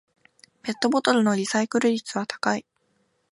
ペットボトルのリサイクル率は高い